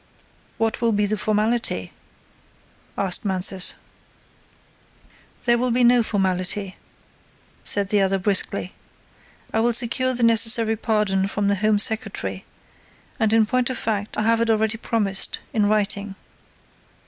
"What will be the formality?" asked Mansus. "There will be no formality," said the other briskly. "I will secure the necessary pardon from the Home Secretary and in point of fact I have it already promised, in writing."